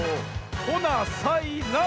ほなさいなら！